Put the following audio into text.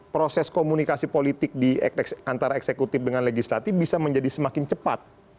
proses komunikasi politik antara eksekutif dengan legislatif bisa menjadi semakin cepat